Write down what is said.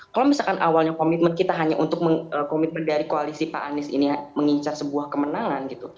kalau misalkan awalnya komitmen kita hanya untuk komitmen dari koalisi pak anies ini mengincar sebuah kemenangan gitu